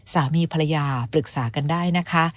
สามีภรรยาปรึกษากันได้นะคะ